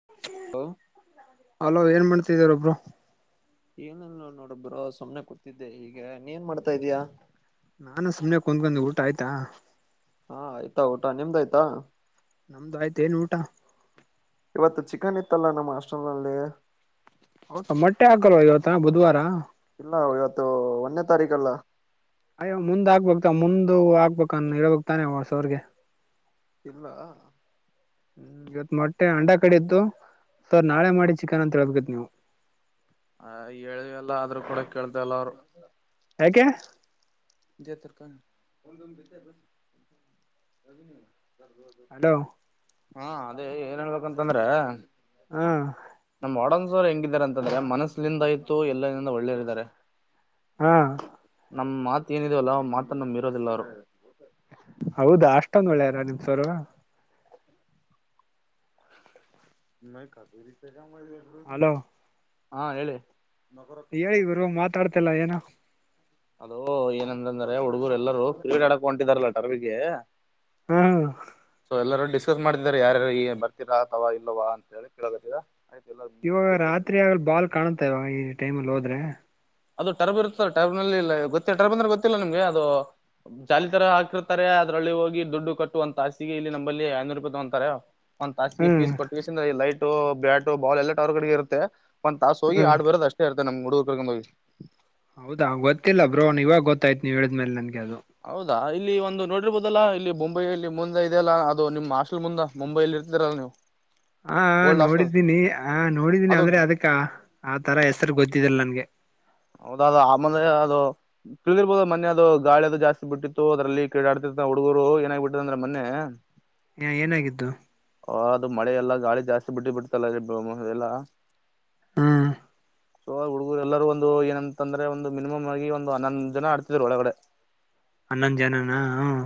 ಹ ಹ ಅಲೋ ಏನ್ ಮಾಡ್ತಿದಾರೊಬ್ರು ಏಲ್ಲ ನೋಡಬ್ರ ಸುಮನೆ ಕೂತ್ತಿದ್ದೆ ಈಗ ನೀ ಏನ್ ಮಾಡ್ತಾ ಇದಯಾ ನಾನು ಸುಮ್ಮನೆ ಕುಂದ್ಕೊಂಡ ಊಟ ಆಯ್ತಾ ಹಾ ಆಯ್ತಾ ಊಟ ನಿಮ್ದ ಆಯ್ತಾ ನಮ್ದು ಆಯ್ತು ಏನ್ ಊಟ ಇವತ್ತು ಚಿಕನ್ ಇತ್ತಲ್ಲ ನಮ್ಮ ಹಾಸ್ಟೆಲ್ ನಲ್ಲಿ ಹೌದ ಮೊಟ್ಟೆ ಹಾಕಲ್ವ ಇವತ್ತ ಬುಧವಾರ ಇಲ್ಲ ಇವತ್ತು ಒನ್ನೆ ತಾರಿಕಲ್ಲ ಅಯ್ಯೋ ಮುಂದ್ ಆಕ್ಬೇಕಕ್ತಾವ ಮುಂದ ಆಗ್ಬೇಕ ಅ ಹೇಳಬೇಕು ತಾನೆ ಸರ್ಗೆ ಇಲ್ಲ ಹ್ಮ್ ಇವತ್ ಮೊಟ್ಟೆ ಅಂಡ ಕಡಿತು ಸೊ ನಾಳೆ ಮಾಡಿ ಚಿಕನ್ ಅಂತೇಳ್ಬೇಕತ್ ನೀವು ಆ ಹೇಳಿವಲ್ಲ ಆದ್ರೂ ಕೂಡ ಕೇಳಳ್ತಲ್ಲ ಅವ್ರು ಯಾಕೆ ಹಲೋ [inaudible] ಹಾ ಅದೇ ಏನ್ ಹೇಳ್ಬೇಕಂತಂದ್ರ ಹಾ ನಮ್ ವಾರ್ಡನ್ ಸರ್ ಹೆಂಗಿದಿದ್ದಾರೆ ಅಂತಂದ್ರೆ ಮನಸ್ಸಲಿಂದ ಆಯತು ಎಲ್ಲಂದ ಒಳ್ಳೇರಿದ್ದಾರೆ ಹ್ಮ್ ನಮ್ಮ್ ಮಾತ ಏನಿದ ಅಲ್ಲ ಮಾತನ್ನ ಮೀರೋದಿಲ್ಲ ಅವರು ಹೌದಾ ಅಷ್ಟೊಂದ್ ಒಳ್ಳೆಯಾರ ನಿಮ್ ಸರು ನ ಕಾತುರಿತ ಕ ಮಾಡ [inaudible] ಹಲೋ ಹಾ ಹೇಳಿ ಹೇಳಿ ಗುರ್ ಮಾತಾಡ್ತಿಲ್ಲಾ ಏನು ಅಲೋ ಏನಂದಂದ್ರೆ ಹುಡುಗರು ಎಲ್ಲರೂ ಕ್ರೀಡಾಡಕಕ್ ಹೊಂಟಿದಾರಲ್ಲ ಟರ್ಬಿಗೆ ಹ್ಮ್ ಎಲ್ಲರೂ ಡಿಸ್ಕಸ್ ಮಾಡಿದಿದ್ದಾರೆ ಯಾರ ಈ ಬರ್ತಿರ ಅತವಾ ಇಲ್ಲವಾ ಅಂತ ಹೇಳಿ ಕೀಳತ್ತಿದ ಇವಾಗ ರಾತ್ರಿ ಆಗಲ್ ಬಾಲ್ ಕಾಣತ ಇವ ಈ ಟೈಮಲ್ಲಿ ಹೋದ್ರೆ. ಅದು ಟರ್ಬ್ ಇರುತ್ತದೆ ಟರ್ಬ್ನಲ್ಲಿ ಗೊತ್ತಿಲ್ಲ ಟರ್ಬ್ ಅಂದ್ರೆ ಗೊತ್ತಿಲ್ಲ ನಿಮ್ಗೆ ಅದು. ಚಾಲಿ ತರ ಹಾಕಿರ್ತಾರೆ ಅದರಲ್ಲಿ ಹೋಗಿ ದುಡ್ಡು ಕಟ್ಟುವಂತ ಹಸಿಗೆ ಇಲ್ಲಿ ನಂಬಲ್ಲಿ ಐನೂರು ರೂಪಾಯಿ ತಗೊಂತಾರೆ. ಒಂದು ತಾಸಿಗೆ ಹ್ಮ್ ಪೀಸ್ ಕೊಟ್ಟಗೇಸಿ ಈ ಲೈಟು ಬ್ಯಾಟು ಬಾಲ್ ಎಲ್ಲಟ ಅವರ್ ಕಡೆಗೆ ಇರುತ್ತೆ. ಒಂದ ತಾಸ್ ಹೊಗಿ ಹ್ಮ್ ಆಡಿ ಬರೋದ್ ಅಷ್ಟೇ ಇರ್ತತೆ ನಮ್ ಹುಡುರ್ಕ ಕರ್ಕೊಂಡ್ಹೋಗಿ. ಹೌದಾ ಗೊತ್ತಿಲ್ಲ ಬ್ರೋ ಇವಗ್ ಗೊತ್ತಾಯ್ತ್ ನೀವ ಹೇಳಿದ್ಮೇಲೆ ನನ್ಗೆ ಅದು. ಹೌದಾ ಇಲ್ಲಿ ಒಂದು ನೋಡಿರ್ಬೋದಲ್ಲಾ ಇಲ್ಲಿ ಮುಂಬೈಲ್ಲಿ ಮುಂದೆ ಇದೆ ಅಲ್ಲಾ ಅದು ನಿಮ್ಮ್ ಹಾಸ್ಟೆಲ್ ಮುಂದ ಮುಂಬೈಲ್ಲಿ ಇರ್ತೀರಲ್ಲ ನೀವು. [unintelligible] ಹ ಓಲ್ಡ್ ಹಾಸ್ಟೆಲ್ ನೋಡಿದ್ದೀನಿ ಆ ನೋಡಿದ್ದೀನಿ ಅದು ಅಂದ್ರೆ ಅದಕ್ಕ ಆ ತರ ಹೆಸರು ಗೊತ್ತಿದಲ್ ನನ್ಗೆ. ಹೌದ ಅದು ಆಮೇಲೆ ಅದು. ತಿಳಿರ್ಬಹದು ಮೊನ್ನೆ ಅದು ಗಾಳಿ ಅದು ಜಸ್ತಿ ಬಿಟ್ಟಿತ್ತು ಅದರಲ್ಲಿ ಕ್ರೀಡಡ್ತಿತ ಹುಡುಗರು ಎನ್ ಆಗ್ಬಿಟ್ಟಿದೆ ಬಿಟ್ಟದೇ ಅಂದ್ರ ಮನ್ನೆ. ಹ ಏನಾಗಿದ್ದು. ಹ ಅದು ಮಳೆಲ್ಲ ಗಾಳಿ ಜಾಸ್ತಿ ಬಿಟ್ಟು ಬಿಡ್ತಲ್ಲ [unintelligible] ಎಲ್ಲ. ಹ್ಮ್ ಸೊ ಹುಡುಗರು ಎಲ್ಲರರು ಒಂದು ಏನ ಅಂತಂದ್ರೆ ಒಂದು ಮಿನಿಮ್ ಆಗಿ ಒಂದು ಹನ್ನೊಂದು ಜನ ಆಡ್ತಿದ್ರು ಒಳಗಡೆ. ಹನ್ನೊಂದ್ ಜನಾನ ಹ್ಮ್.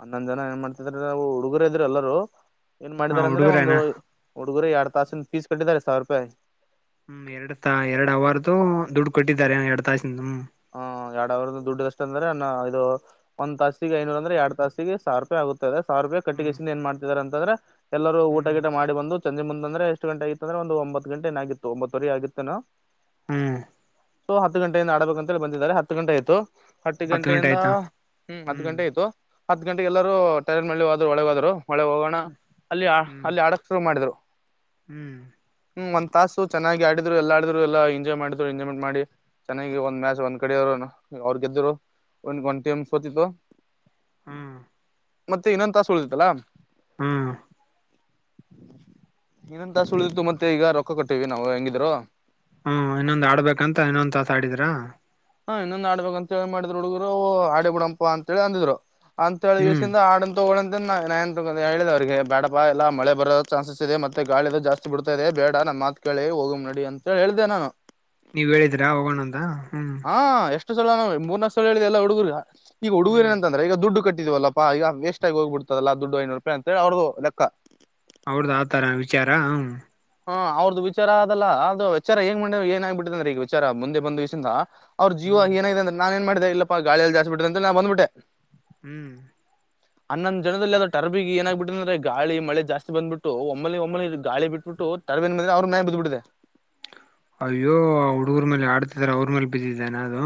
ಹನ್ನೊಂದ್ ಜನ ಏನ್ ಮಾಡ್ತಿದ್ರ ನಾವು ಹುಡುಗರ ಇದ್ರರು ಎಲ್ಲರೂ ಏನ್ ಹಾ ಮಾಡಿದಾರ ಅಂದ್ರೆ ಒಂದು. ಹುಡುಗರೇನಾ ಹುಡುಗರು ಎರಡು ತಾಸಿನ ಪೀಸ್ ಕಟ್ಟಿದ್ದಾರೆ ಸವ್ರು ರೂಪಾಯಿ. ಹ್ಮ್ ಎರಡ್ ತ ಎರಡ್ ಅವರ್ದುು ದುಡ್ಡು ಕೊಟ್ಟಿದ್ದಾರೆ ಎರಡ್ ತಾಸಿಂದ್ಮ್. ಹ ಎರಡ್ ಅವ್ರದ ದುಡ್ಡ ಅಷ್ಟ ಅಂದ್ರೆ ಅನ್ನ ಇದು ಒಂದ್ ತಾಸಿಗೆ ಐನೂರ್ ಅಂದ್ರೆ ಎರಡ್ ತಾಸಿಗೆ ಸಾವಿರ ರೂಪಾಯಿ ಆಗುತ್ತೆ. ಸಾವಿರ ರೂಪಾಯಿ ಹ್ಮ್ ಕಟ್ಟಿಗೆಸಿಂದ ಏನ್ ಮಾಡ್ತಿದಾರೆ ಅಂತಂದ್ರೆ ಎಲ್ಲೂ ಹ್ಮ್ ಊಟಗಿಟ ಮಾಡಿ ಬಂದು. ಚಂದ್ರ ಮುಂದ್ರ ಎಷ್ಟ ಗಂಟ ಆಗತ್ತುಂದ್ರೆ ಒಂದು ಒಂಬತ್ ಗಂಟೆಏನಾಗಿತ್ತು ಒಂಬತ್ತುವರೆ ಆಗಿತ್ತೆನೊ. ಹ್ಮ್ ಸೊ ಹತ್ತು ಗಂಟೆಯಿಂದ ಆಡ್ಬೇಕಂತ ಹೇಳಿ ಬಂದಿದ್ದಾರೆ ಹತ್ತು ಗಂಟೆ ಆಯ್ತು. ಹತ್ತು ಗಂಟೆ ಗಂಟೆಯಿಂದ ಆಯ್ತಾ ಹ್ಮ್ ಹತ್ತು ಗಂಟೆ ಆಯ್ತು. ಹತ್ತು ಗಂಟೆಗೆ ಎಲ್ಲರೂ ಟೈರ್ ಮಲ್ಲಿ ಹೋದ್ರು ಒಳಗೆ ಹೋದ್ರು ಒಳೆ ಹೋಗೋಣ ಅಲ್ಲಿ ಹ್ಮ್ ಅಲ್ಲಿ ಆಡಕ್ ಶುರು ಮಾಡಿದ್ರು. ಹ್ಮ್ ಹ್ಮ್ ಒಂದ್ ತಾಸ ಚನ್ನಾಗಿ ಆಡಿದ್ರು ಎಲ್ಲ ಆಡಿದ್ರು ಎಂಜಾಯ್ ಮಾಡ್ರು ಎಂಜಾಯ್ಮೆಟ್ ಮಾಡಿ ಚೆನ್ನಾಗಿ ಒಂದ ಮ್ಯಾಚ್ ಒಂದ್ ಕಡೆ ಅವ್ ಅವ್ರ ಗೆದ್ದರು ಒಂದ ಒಂಟಿಮು ಸೋತಿತ್ತು. ಹ್ಮ ಮತ್ತೆ ಇನ್ನೊಂದ ತಾಸು ಉಲ್ಡಿತಲ. ಹ್ಮ್ ಇನ್ನೊಂದ್ ತಾಸು ಉಳಿದಿತ್ತು ಮತ್ತೆ ಈಗ ರೊಕ್ಕ ಕಟ್ಟಿವವಿ ನಾವು ಹೆಂಗಿದ್ರು. ಹ್ಮ ಇನ್ನೊಂದ್ ಆಡ್ಬೇಕಂತ ಇನ್ನೊಂದ್ ತಾಸ ಆಡಿದ್ರಾ. ಹಾ ಇನ್ನೊಂದ್ ಆಡ್ಬೇಕ ಅಂತೇಳಿ ಮಾಡಿದ್ರು ಹುಡುಗರು ಆಡಿ ಬಿಡಂಪ ಅಂತೇಳಿ ಅಂದಿದ್ರು ಹ್ಮ್ ಅಂತೇಳಿಸಿಂದ ಆಡ ತಗೊಳಿಂತ ನ ಹೇಳಿದ ಅವರಿಗೆ ಬೇಡಪ ಎಲ್ಲ ಮಳೆ ಬರೋದ ಚನ್ಸ್ ಇದೆ ಮತ್ತೆ ಗಾಳಿದ ಜಾಸ್ ಬಿಡ್ತಾ ಇದೆ ಬೇಡ ನಮ್ ಮತ್ಕೇಳಿ ಹೋಗಮ್ ನಡಿ ಅಂತ ಹೇಳಿದೆೆ ನಾನು. ನೀವ್ ಹೇಳಿದ್ರ ಹೋಗೋಣ ಅಂತ ಹ್ಮ್. ಹಾ ಎಷ್ಟು ಸಲ ಮೂರ್ನಾಕ್ ಸಲ ಹೇಳಿದೆ ಎಲ್ಲ ಹುಡುಗರು ಈಗ ಹ್ಮ್ ಹುಡುಗುರಏನಂತ. ಅಂದ್ರೆ ಈಗ ದುಡ್ ಕಟ್ಟಿವಾಲಾಪ ಈಗ ವಸ್ಟ್ ಆಗ ಹೋಗಿಬಡ್ತದಲ್ಲ ದುಡ್ಡು ಐನೂರು ರೂಪಾಯ ಅಂತಳಿ ಅವ್ರದು ಲೆಕ್ಕ. ಅವರದು ಆತರ ವಿಚಾರ ಹ. ಹಾ ಅವ್ರದ್ದು ವಿಚಾರ ಅಲ್ಲ ಅದ ವಿಚಾರ ಹೆಂಗ ಮಾಡ ಏನಾಗ್ಬಿಟ್ಟಿದೆ ಅಂದ್ರ ಈಗ ವಿಚಾರ ಮುಂದೆ ಬಂದವಿಷಿಂದ. ಅವ್ರ ಜೀವ ಹ್ಮ್ ಏನಾಗಿದೆ ಅಂದ್ರೆ ನಾನ ಏನ್ ಮಾಡಿದೆ ಇಲ್ಲಪ್ಪ ಗಾಳಿಯಲ್ಲಿ ಜಾಸ್ತಿ ಬಿಟ್ಟಿದೆ ಅಂತ ನಾನ್ ಬಂದಬಿಟ್ಟೆ. ಹ್ಮ್ ಹ ಅನ್ನೊಂದ ಜದಲ್ಲಿ ಅ್ರ ಟರ್ ಏನಾಗಬಟ್ಟು ಅಂದ್ರೆ ಗಳೆ ಜಾಸ್ತಿ ಬ್ಬಿಟ್ಟು ಒಮ್ಮನ ಒನಲಿ ಗಳಿ ಬಿಟ್ಟು ಬಿಟ್ಟ ತವೇನ್ ಮ ಅವನಿ ಬ್ಬಿಟ್ಟಿದೆ ಅಯ್ಯೋ ಹುಡುಗರ ಮೇಲೆ ಆಡ್ತಿದಿದ್ದಾರೆ ಅವ್ರ ಮೇಲೆ ಬಿದ್ದಿದ್ದಾನೆ ಅದು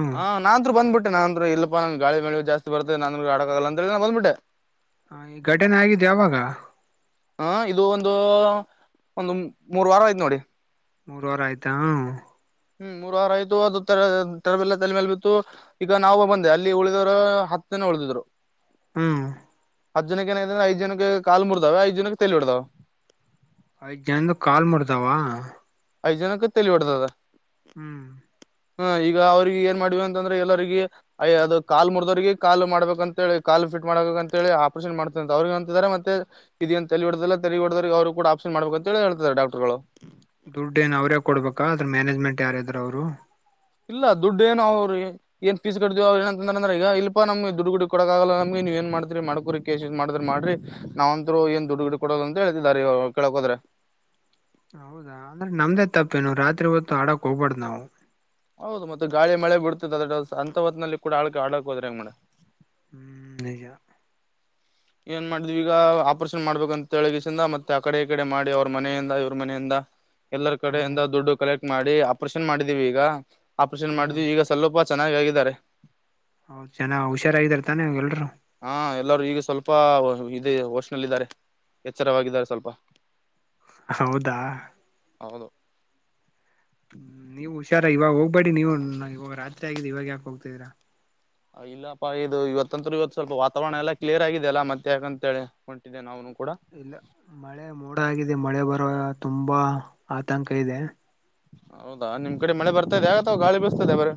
ನಾಂಬ್ಬಿಟ್ಟ ನನ್ ಇಲ್ ನನ್ ಗಳಿಳೆ ಜಸ್ ಬರ್ತೆ ನ ಅಂದ ಆಡಕಾಗಲ್ಲ ಅ ಹೇಳನ ಬಂದ್ಬಟ್ಟೆ [unintelligible] ಹ ಈ ಘಟನೆ ಆಗಿದೆ ಅವಾಗ ಹ ಇದು ಒಂದು ಒಂದು ಮೂರ್ ವಾರ ಆಯ್ತು ನೋಡಿ ಮೂರ್ವಾರ ಆಯ್ತಾ ಹ ಹ್ಮ್ ಮೂರ್ ವಾರ ಆಯ್ತು ಅದು ತರಬಲ್ಲ ತಲೆ ಮೇಲೆ ಬಿತ್ತು ಈಗ ನಾವು ಬಂದೆ ಅಲ್ಲಿ ಉಳಿದವರು ಹತ್ತ ದಿನ ಉಳಿದಿದ್ರು ಹ್ಮ್ ಹತ್ತ ಜನಕ ಏನ ಆಗೈತಿ ಅದರೆ ಐದು ಜನ ಕಾಲು ಮುರದ್ವಾ ಐದು ಜನಕ ತೈಲಿ ಬಡದೈತಿ ಐದ್ ಜನದ ಕಾಲ್ ಮಾಡತಾವ ಐದು ಜನಕ್ಕೆ ತಲ್ಲಿಬಡ್ದಾವ ಹ್ಮ್ ಹ ಈಗ ಅವ್ರಿಗೆ ಏನ್ ಮಾಡ್ವ ಅಂತಂದ್ರೆ ಎಲ್ಲರಿರಿಗೆ ಅಯ್ ಅದು ಕಾಲ್ ಮುದವ್ರಿಗೆ ಕಾ ಮಾಡಬೇಕ ಅಂತ ಹೇಳಿ ಕಾಲ್ ಫಿಟ್ ಮಾಡಬೇಕಕ್ ಅಂತ ಹೇಳಿ ಆಪರೇಷನ್ ಮಾಡ್ತ ಅಂತ ಅವ್ರಿಗೆ ಅಂತಾರೆ ಮತ್ತೆ ಇದೇನ್ ತೆ ಹಿಡ್ದಲ್ಲ ತೆ ಹಿಡದ್ರ ಅವರು ಕೂಡ ಆಪ್ನ್ ಮಾಡಬೇಕ ಅಂತ ಹೇಳ ಹೇತಾರೆ ಡಾಕ್ಟರ್ಗಳು ದುಡ್ಡು ಏನ್ ಅವ್ರೇ ಕೊಡ್ಬೇಕಾ ಅದ್ರ ಮ್ಯಾನೇಜ್ಮೆಂಟ್ ಯಾರ ಇದ್ರರು ಅವ್ರು ಇಲ್ಲ ದುಡ್ಡು ಏನ ಅವ್ರಿಗೆ ಏನ್ಫೀಸ್ ಕಡ್ದೀ ಅವ ಏನಂತಂದ್ರ ಈಗ ಇಲ್ಪ ನಮಗೆ ದುಡುುಡಿ ಕೊಡಕ್ ಆಲ್ಲ ನಮ ನೀವಏನ್ ಮಾಡ್ತಿರಿ ಮಾಡ್ಕೋಿ ಮಾಡ್ರ ಮಾಡ್ರಿ ನಾವಂತೂ ಏನ್ ದುಡುಡ ಕೊಡೋದ ಅಂತ ಹೇಳೇತಿದಿದ್ದಾರೆ ಕೇಳಕೋದ್ರೆ ಹೌದಾ ಅಂದ್ರೆ ನಮ್ದೇ ತಪ್ಪೇನು ರಾತ್ರಿ ಹೊತ್ತು ಹಡಾಕ್ ಹೋಗ್ಬಾರ್ದ್ ನಾವು ಹೌದು ಮತ್ತ ಗಳಿ ಮಳೆ ಬಿಡ್ತದೆ ಅದ ಅಂತತ್ ನ ಕೂಡ ಆಳಕ ಆಡ ಹೋದ್ರ ಹೆಂಗ ಮೇಡ [unintelligible] ಹ್ಮ್ ನಿಜ [unintelligible] ಏನ್ ಮಾಡಿದ್ ಈಗ ಆಪರೇಷನ್ ಮಾಡ್ಬೇಕಂತ ತಿಳಗಸಿಂದ ಮತ್ತೆ ಆ ಕಡೆ ಈ ಕಡೆ ಮಾಡಿ ಅವ್ರ ಮನೆಯಿಂದ ಇವ್ರ ಮನೆಯಿಂದ [unintelligible] ಎಲ್ಲರ ಹ್ಮ್ ಕಡೆಯಿಂದ ದುಡ್ಡು ಕಲೆಕ್ಟ್ ಮಾಡಿ ಆಪರೇಷನ್ ಮಾಡಿದೀವಿ ಈಗ ಆಪರೇಷನ್ ಹ್ಮ್ ಮಾಡಿದ್ವಿ ಈಗ ಸ್ವಲ್ಪ ಚೆನ್ನಾಗ ಆಗಿದ್ದಾರೆ [unintelligible] ಹೌದ ಜನ ಹುಷಾರಾಗಾರ ತಾನೆ ಎಲ್ರು ಹಾ ಎಲ್ಲಾರೂ ಈಗ ಸ್ವಲ್ಪ ಇದೆ ವೋಷನಲ್ಲಿದ್ದಾರೆ [unintelligible] ಎಚ್ಚರವಾಗಿದ್ದಾರೆ ಸ್ವಲ್ಪ ಹೌದಾ ಹೌದು ಹ್ಮ ನೀವವು ಹುಷಾರ ಇವಾಗ ಹೋಗ್ಬೇಡಿ ನೀವು ಇವಾಗ ರಾತ್ರಿ ಆಗಿದ ಇವಾಗ ಯಾಕೆ ಹೋಗತಿದೀರಾ ಇಲ್ಲಪ್ಪಾ ಇದು ಇವತ್ತಂದರು ಇವತ್ತು ಸ್ವಲ್ಪ ವಾತಾವರಣ ಎಲ್ಲ ಕ್ಲಿಯರ್ ಆಗಿದೆ ಅಲ್ಲ ಮತ್ತೆ ಯಾಕ ಅಂತ ಹೋಟಿನಿ ನಾವುನು ಕೂಡ [unintelligible] ಇಲ್ಲ ಮಳೆ ಮೋಡ ಆಗಿದೆ ಮಳೆ ಬರುವ ತುಂಬಾ ಆತಂಕ ಇದೆ ಹೌದಾ ನಿಮ್ ಕಡೆ ಮಳೆ ಬರ್ತಾದೆ ಗಾಳಿ ಬಳಸ್ತದೆ ಬರರಿ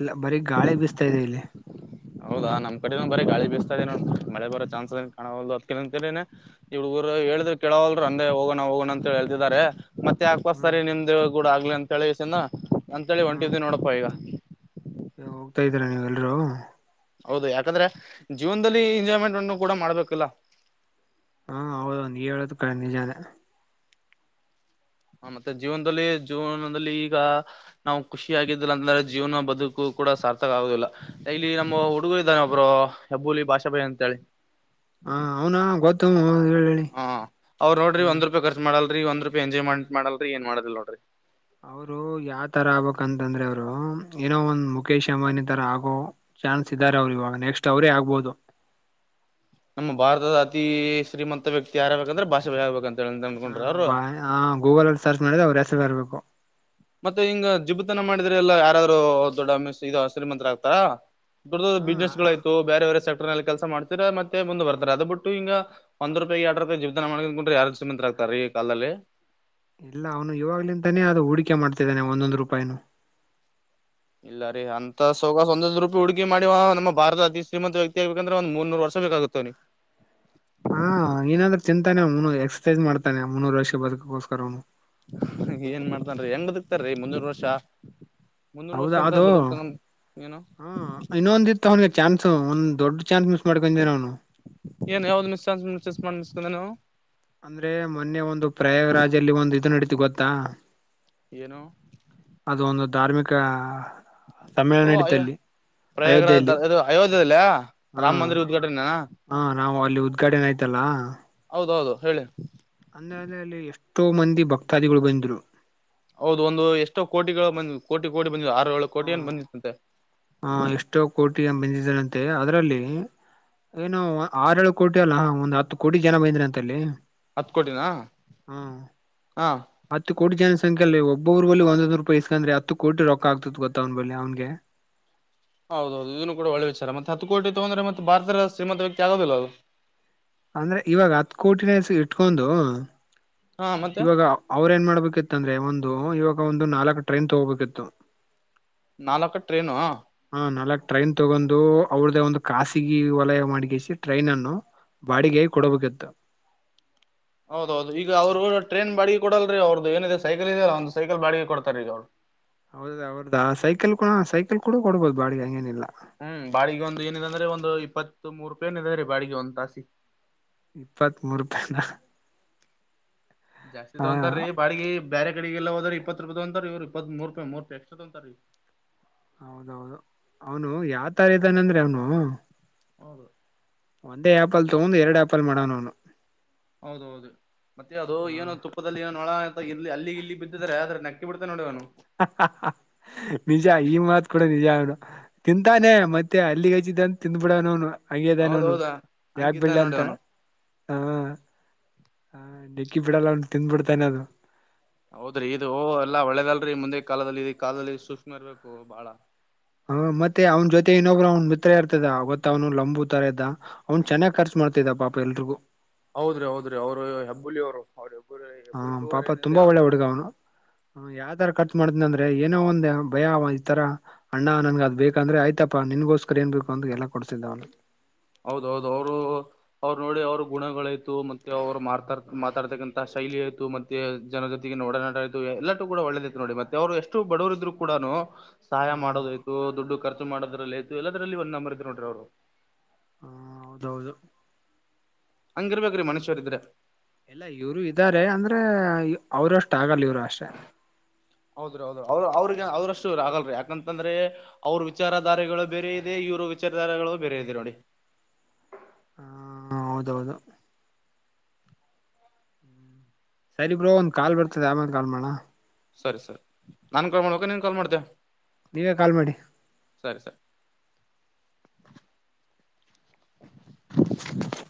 ಇಲ್ಲ ಬರೀ ಗಾಳಿ ಬಿಸ್ತಾ ಇದೆ ಇಲ್ಲಿ ಹೌದಾ ನಮ್ಮ್ ಕಡೆ ಬರಿ ಗಾಳಿ ಬಿಸತ ಇದೆ ನೋ ಮಳೆ ಬರೋ ಚಾನ್ಸ್ ಕಾಣುದು ಅದ ಅಂತನೆ ಹುಡ್ಗರು ಹೇಳಿದ್ರರು ಕೆೇಳವಲ್ರು ಅಂದೇ ಹೋಗಣ ಹೋಗೋಣ ಅಂತ ಹೇತಿದಿದ್ದಾರೆ ಮತ್ತೆ ಹ್ಮ್ ಯಾಕೋಸ್ತಾರಿ ನಿಮ್ದ ಗೂಡ ಆಗ್ಲಿ ಅಂತೇಳಿ ಚಿನ ಅಂತೇಳಿ ಹ್ಮ್ ಹೊಂಟಿದವಿ ನೋಡಪ್ಪಾ ಈಗ ಹೋಗ್ತಾ ಇದ್ದೀರಾ ನೀವೆ ಎಲ್ರೂ ಹೌದು ಯಾಕಂದ್ರೆ ಜೀವನ್ದಲ್ಲಿ ಎಂಜಾಯ್ಮೆಂಟ್ ಅನ್ನು ಕೂಡ ಮಾಡ್ಬೇಕಲ್ಲ ಹಾ ಹೌದ ನೀವು ಹೇಳದ ನಿಜಾನೇ ಹ ಮತ್ತೆ ಜೀವನದಲ್ಲಿ ಜೀವನದಲ್ಲಿ ಈಗ ನಾವು ಖುಷಿ ಆಗಿದ್ದಿಲ್ಲ ಅಂದ್ರೆ ಜೀವನ ಬದುಕು ಕೂಡ ಸಾರ್ಥಕ ಆಗುದಿಲ್ಲ ಇಲ್ಲಿ ನಮ್ಮ ಹುಡುಗರು ಇದ್ದಾನೆ ಒಬ್ರು ಹೆಬ್ಬೂಲಿ ಭಾಷಾ ಬೈಿ ಅಂತೇಳಿ ಹ ಅವ್ನ ಗೊತ್ತು ಹೇಳಿ ಹೇಳಿ ಹೂ ಅವರ್ ನೋಡ್ರಿ ಹ ಒಂದ ರೂಪಾಯ ಖರ್ಚ ಮಾಡಲ್ರಿ ಒಂದ ರೂಪಾಯ ಎಂಜಾಯ್ ಮಾಡಲ್ರಿ ಏನ್ ಮಾಡದಿಲ್ ನೋಡ್ರಿ ಅವರು ಯಾವ ತರ ಆಗ್ಬಬೇಕಂತಂದ್ರೆ ಅವರು ಏನೋ ಒಂದ ಮುಖೇಶ್ ಅಂಬಾನಿ ತರ ಆಗೋ ಚಾನ್ಸ್ ಇದ್ದಾರೆ ಅವ್ರು ಇವಾಗ ನೆಕ್ಸ್ಟ್ ಅವರೇ ಆಗ್ಬಹದು ನಮ್ಮ ಭಾರತದ ಅತಿಶ್ರೀಮಂತ ವ್ಯಕ್ತಿ ಯಾರಬೇಕಂದ್ರೆ ಭಾಷಾ ಬೈ ಆಗ್ಬೇಕು ಅಂತೆ ಹ ಬಾ ಆ ಗೂಗಲ್ಲ್ಲಿ ಸರ್ಚ್ ಮಾಡಿದ್ರೆ ಅವ್ ಹೆಸರ ಬರ್ಬೇಕು ಮತ್ತೆ ಹಿಂಗ ಜಿಬತನ ಮಾಡಿದ್ರೆಲ್ಲ ಯಾರಾದ್ರು ದೊಡ್ಡದು ಶ್ರೀಮಂತ್ರರ ಆಗ್ತಾರಾ ದಡ್ ಹ ದೊಡ್ಡಿಸ್ನೆಸ್ಗಳ್ತು ಬೇರೆ ಬೇರೆ ಸೆಕ್ಟರ್ ನಲ್ಲಿ ಕೆಲಸ ಮಾಡ್ತಾರೆ ಮತ್ತೆ ಮುಂದೆವಾರ್ಡು ಅದು ಬಿಟ್ಟುಿಂಗ ಒಂದ್ೂಪಾಯಿ ಎಡರು ರೂಪಾಯ ಜವನ ಮಾಡ್ಕೊಂಡ್ರೆ ಯಾರ್ ಶ್ರೀಮಂತ ಆಗ್ತಾರೆ ಈ ಕಾಲದಲ್ಲಿ ಇಲ್ಲ ಅವನು ಇವಾಗ್ಲಂತಾನೇ ಅದು ಹೂಡಿಕೆ ಮಾಡ್ತಿದ್ದಾನೆ ಒಂದೊಂದು ರೂಪಾಯಿನು ಇಲ್ಲ ರೀ ಅಂತ ಸ ಸ್ವೊ್ ರೂಪಾಯಿ ಹುಡುಕಿ ಮಾಡಿ ನಮ್ಮ ಭಾರದ ಅತಿ ಶ್ರೀಮಂತ ವ್ಯಕ್ತಿಗ್ಬೇಕಂದ್ರೆ ಒಂದ ಮೂರ್ರು ವರ್ಷ [unintelligible] ೇಕಾಗುತ್ತೇಿ ಹಾ ಏನಾದ್ರೆ ಚಿಂತತಾನೆ ಅವನು ಎಕ್ಸಸೈಸ್ ಮಾಡ್ತಾನೆ ಮುನ್ನೂರು ವರ್ಷ ಬದುಕೋಸ್ಕರ ಅವನು [unintelligible] ಏನ್ ಮಾಡ್ತನ್ೀ ಹೆಂಗ್ದಿಕ್ತಾರೀ ಮುನ್ನೂರು ವರ್ಷ [unintelligible] ಮುನ್ನೂರ್ ವರ್ಷ ಹೌದಾ ಅಂತ ಅದು ಬದುಕ್ತಾನ ಏನು ಹೂ ಇನ್ನೊಂದಿತ್ತು [unintelligible] ಅವನಿಗೆ ಚಾನ್ ಒಂದ್ ದೊಡ್ ಚಾನ್ಸ್ ಮಿಸ್ ಮಾಡ್ಕೊಂಡ ಅವ್ನು [unintelligible] ಏನ್ ಯಾವ್ದ ಮಿಸ್ಚಾನ್ಸ್ ಮಿಸಾನ್ಸ್ ಮಾಡಿ ಮಿಸ್ತ ಅವ [unintelligible] ಅಂದ್ರೆ ಮೊನ್ನೆ ಒಂದು ಪ್ರಯಾಗರಾಜಲ್ಲಿ ಒಂದು ಇದು ನಡೀತು ಗೊತ್ತಾ ಏನೋ [unintelligible] ಅದು ಒಂದು ಧಾರ್ಮಿಕ ಸಮ್ಮೇಳನ ನಡೀತಲ್ಲಿ [unintelligible] ಪ್ರಯಾಗರ ಅಯೋಧ್ಯೆಯಲ್ಲಿ ಇದು ಅಯೋಧ್ಯಲ್ಲಯ ಹಾ ರಾಮ್ ಮಂದಿರ ಉದ್ಘಾಟನೆನಾ [unintelligible] ಹಾ ನಾವು ಅಲ್ಲಿ ಉದ್ಘಾಟನೆ ಆಯ್ತಲ್ಲಾ [unintelligible] ಹೌದ ಹೌದು ಹೇಳಿ - ಆನೆಡ್ನೆಯಲ್ಲಿ ಅಲ್ಲಿ ಎಷ್ಟೋ ಮಂದಿ ಭಕ್ತಾದಿಗಳು ಬಂದ್ರು ಹೌದ ಒಂದು ಎಷ್ಟೋ ಕೋಟಿಗಳು ಬಂದ್ ಕೋಟಿ ಕೋಟಿ ಬಂದ್ ಆರುಳ ಹಾ ಹಾ ಎಷ್ಟೋ ಕೋಟಿ ಬಂದಿದ್ದನಂತೆ ಅದ್ರಲ್ಲಿ ಏನು ಆರಳು ಕೋಟಿ ಅಲ್ಲ ಒಂದ್ ಹತ್ತು ಕೋಟಿ ಜನ ಬೈಂದ್ರ ಅಂತಲ್ಲಿ ಹತ್ಕೋಟಿನ ಹಾ ಹಾ ಹತ್ತು ಕೋಟಿ ಜನ ಸಂಖ್ಯೆಯಲ್ಲಿ ಒಬ್ಬೊಬ್ರು ಬಲ್ಲಿ ಒಂದೊಂದು್ ರೂಪಾಯ ಇಸ್ಕಂದ್ರೆ ಹತ್ತು ಕೋಟ ರೊಕ್ಕ ಆಗ್ತ ಗೊತ್ತ್ನ ಬಳಿ ಅವನಿಗೆ ಹೌದೌದು ಇದುನ್ನು ಕೂಡ ಒಳ್ಳ ವಿಚಾರ ಮತ್ತ ಹತ್ತು ಕೋಟಿ ತೊಂದ್ರೆ ಭಾರತದಲ್ಲಿ ಶ್ರೀಮಂತ ವ್ಯಕ್ತಿ ಆಗದಿಲ್ಲ ಅದು ಅಂದ್ರೆ ಇವಾಗ ಹತ್ ಕೋಟಿ ನ ಹೆಸ ಇಟ್ಕೊಂಡು ಹಾ ಮತ್ತೆ ಇವಾಗ ಅವ್ರ ಏನ್ ಮಾಡ್ಬೇಕಿತ್ತ ಅಂದ್ರೆ ಒಂದು ಇವಾಗ ಒಂದು ನಾಲ್ಕ್ು ಟ್ರೈನ್ ತಗೋಬೇಕಿತ್ತು ನಾಲ್ಕ ಟ್ರೇನು ಹಾ ನಾಲ್ಕ್ ಟ್ರೈನ್ ತಗೊಂಡು ಅವ್ರ್ದ ಒಂದು ಖಾಸಗಿ ವಲಯ ಮಾಡಗಿಸಿ ಟ್ರೈನ್ ಅನ್ನು ಬಾಡಿಗೆ ಕೊಡಬೇಕಿತ್ತು. ಹೌದೌದು ಈ ಅವರು ಟ್ರೇನ್ ಬಾಡಿಗೆ ಕೊಡಲ್ರಿ ಅವ್ರ್ದ ಏನಿದೆ ಸೈಕಲ್ದೆಲ್ಲ ಒಂದ ಸೈಕಲ್ ಬಾಿಗೆ ಕೊಡ್ತ ಈಗ ಅವ್ರು. ಹೌದ ಅವ್ರದ ಸೈಕಲ್ ಕೂ ಸೈಕಲ್ ಕೂಡ ಕೊಡ್ಬಹದು ಬಾಡಿಗೆ ಹಂಗೇನಿಲ್ಲ ಹೂ ಒಂದು ಏನಿದೆ ಅಂದ್ರೆ ಒಂದು ಇಪ್ಪತ್ತು ಮೂರು ರೂಪಾಯಿ ಏನ ಇದದೆ ರೀ ಬಾಡಿಗೆ ಒಂದ್ಾಸಿ ಇಪ್ಪತ್ ಮೂೂರು ರೂಪಾಯಿನ ಜಾಸ್ತಿ ಹಾ ತಗೊತಾರಿ ಬಾಡಿಗಿ ಬೇರೆ ಕ ಡೆಗೆಲ್ಲ ಹೋದ್ರ ಇಪ್ಪತ್ತು ರೂಪಾಯ ತೊಾರ ರವ್ ಇಪ್ಪತ್ರು ರೂಪಾಯ ಮೂರು ರೂಪಿ ಎಕ್ಟ್ರ ತೊಂತಾರೀ ಹೌದೌದು ಅವನು ಯಾವ ತರ ಇದ್ದಾನಂದ್ರೆ ಅವ್ನು ಹೌದು. ಒಂದೇ ಆಪಲ್ ತೊಗೊಂಡ್ ಎರಡ್ ಆಪಲ್ ಮಾಡವನು ಹೌದ ಹೌದು ಮತ್ತೆ ಅದು ಏನೋ ಅವನು ತುಪ್ಪದಲ್ಲಿ ಏನೋ ಒಳ ಇಲ್ಲಿ ಅಲ್ಲಿಗ್ ಇಲ್ಲಿ ಬಿದ್ದಿದಿದ್ದಾರೆ ಆದ್ರೆ ನಕ್ಕಿ ಬಿಡ್ತೆ ನೋಡಿ ಅವ್ನು ನಿಜ ಈ ಮಾತ್ ಕೂಡ ನಿಜ ಆಗನು.. ತಿಂತಾನೆ ಮತ್ತೆ ಅಲ್ಲಿಗೆಚ್ಚಿದ್ದಂತ ತಿಂದುಬಿಡೋನು ಹಂಗದನೋನು ಹೌದೌದಾ ಯಾಕ್ ಹಂಗಿದ್ದ ಬಿಡ್ ನೋಡಿ ಅಂತ ಅವನು. ಹಾ ಹ ಡಿಕ್ಕಿ ಬಿಡಲ್ಲ ಒ ತಿಂದು ಬಿಡ್ತಾನನೆೆ ಅದು ಹೌದ್ರಿ ಇದು ಎಲ್ಲಾ ಒಳ್ಳೇದಲ್ರರಿ ಮುಂದೆ ಕಾಲದಲ್ಲಿ ಇದ ಕಾಲದಲ್ಲಿ ಸೂಕ್ಷ್ಮ ಇರ್ಬೇಕು ಬಾಳ ಹ ಮತ್ತೆ ಅವ್ನ ಜೊತೆ ಇನ್ನೊಬ್ಬರು ಅವ್ನ್ ಮಿತ್ರ ಇರ್ತದ ಗೊತ್ತ್ನು ಲಂಬು ತರ ಇದದ ಅವ್ನ್ ಚೆನ್ನಾಗಿ ಖರ್ಚು ಮಾಡ್ತ ಇದ ಪಾಪ ಎಲ್ರಿಗೂ ಹೌದ್ರಿ ಹೌದ್ರಿ ಅವ್ರು ಹೆಬ್ಬುಲಿ ಅವರು ಅವ್ರ ಹೆಬ್ಬುರಿ ಹ ಹೆಬ್ಬುಲಿ ಟೂ ಅವರ್ ಪಾಪ ಏನಿದೆ ತುಂಬಾ ಅವ್ರ ಒಳ್ಳೆ ಹತ್ರ ಹುಡುಗ ಅವನು ಯಾವ ತರ ಖರ್ಚು ಮಾಡ್ತನಿ ಅಂದ್ರೆ ಏನೋ ಒಂದಂದು ಭಯ ಈ ತರ ಅಣ್ಣ ನನ್ಗೆ ಅದು ಬೇಕಂದ್ರೆ ಆಯ್ತಪ್ಪಾ ನಿನ್ಗೋಸ್ಕರ ಏನ್ ಬೇಕ ಅ ಎಲ್ಲ ಕೊಡ್ಸಿದ್ದವ್ನ ಹೌದೌದು ಅವರು ಅವ್ರು ನೋಡಿ ಅವ್ರ ಗುಣಗಳಾಯ್ತು ಮತ್ತೆ ಅವ್ರು ಮಾತಾಡ್ ಮಾತಾಡ್ತಕ್ಕಂಥ ಶೈಲಿ ಆಯ್ತು ಮತ್ತೆ ಮ ಜನ ಜೊತೆಗೆ ನೋಡನಾಟ ಇು ಎಲ್ಲಟು ಕೂಡ ಒಳ್ಳೇದೈತೆ ನೋಡಿ ಮತ್ತೆ ಅವರು ಎಷ್ಟು ಬಡವರರು ಇದ್ರು ಕೂಡನು ಸಹಾಯ ಮಾಡೋದ ಆಯ್ತು ದುಡ್ಡು ಖರ್ಚು ಮಾಡೋದ್ರಲ್ಲಿ ಆಯತು ಎಲ್ಲರಲ್ಲಿ ಒಂದ ನಂಬರ್ ಇದ್ ನೋಡ್ರಿ ಅವರು.. ಹಾ ಹೌದೌದು.. ಹಂಗಿರ್ಬೇಕೇರ ಮನುಷ್ಯರ ಇದ್ರೆ.. ಎಲ್ಲ ಇವರು ಇದ್ದಾರೆ ಅಂದ್ರೆ ಅವರು ಅಷ್ಟು ಆಗಲ್ಲ ಇವ್ರು ಅಷ್ಟೆ.. ಹೌದ್ರ ಹೌದು ಅವ್ರ ಅವ್ರಿಗೆ ಅವ್ರಷ್ಟು ಆಗಲ್ರೀ ಯಾಕಂತಂದ್ರೆ ಅವ್ರ ವಿಚಾರಧಾರೆಗಳು ಬೇರೆ ಇದೆ ಇವ್ರ ವಿಚಾರಧಾರೆಗಳು ಬೇರೆ ಇದೆ ನೋಡಿ.. ಹ ಹೌದೌದು.. ಸರಿ ಬ್ರೋ ಒಂದು ಕಾಲ್ ಬರ್ತದೆ ಆಮೇಲೆ ಕಾಲ್ ಮಾಡನ ಸರಿ ಸರಿ ನಾನ್ ಕಾಲ್ ಮಾಡ್ಕ ನೀನ್ ಕಾಲ್ ಮಾಡ್ತ.. ನೀವೆ ಕಾಲ್ ಮಾಡಿ.. ಸರಿ ಸರಿ.. [unintelligible]